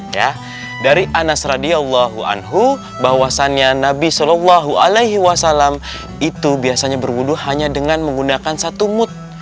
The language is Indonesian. ya dari anas radiallahu anhu bahwasannya nabi saw itu biasanya berwudu hanya dengan menggunakan satu mut